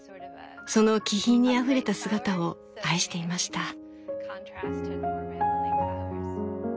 その気品にあふれた姿を愛していました。